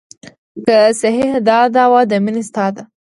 که صحیحه دا دعوه د مینې ستا ده.